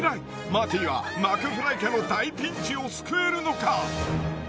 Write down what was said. マーティがマクフライ家の大ピンチを救えるのか。